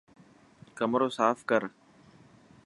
ڪمرو ساف ڪر.